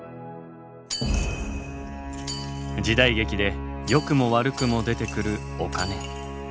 時代劇でよくも悪くも出てくるお金。